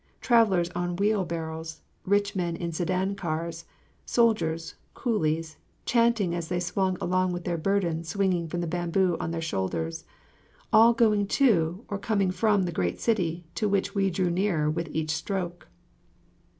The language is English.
Travellers on wheelbarrows, rich men in sedan chairs, soldiers, coolies, chanting as they swung along with their burdens swinging from the bamboo on their shoulders, all going to or coming from the great city to which we drew nearer with each stroke.